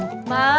nanti kamu dimakan